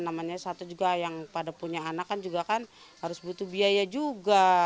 namanya satu juga yang pada punya anak kan juga kan harus butuh biaya juga